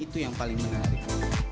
itu yang paling menarik